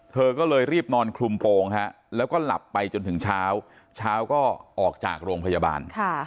เธอก็เลยรีบนอนคลุมโปรงแล้วก็หลับไปจนถึงเช้าเช้าก็ออกจากโรงพยาบาล